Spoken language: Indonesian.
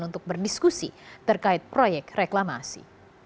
untuk berdiskusi terkait proyek reklamasi